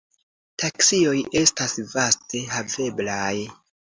Taksioj estas vaste haveblaj.